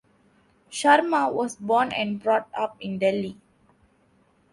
Sharma was born and brought up in Delhi.